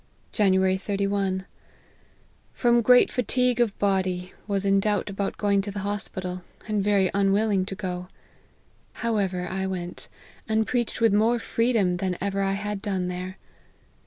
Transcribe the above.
" January 31. From great fatigue of body, was in doubt about going to the hospital, and very un willing to go. However, I went, and preached with more freedom than ever I had done there.